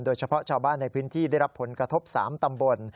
โดยเฉพาะชาวบ้านในพื้นที่ได้รับผลกระทบ๓ตำบล